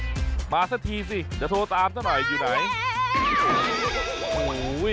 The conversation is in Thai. มาสักทีสิจะโทรตามซะหน่อยอยู่ไหน